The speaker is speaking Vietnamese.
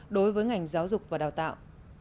đối với ngành giáo dục và đào tạo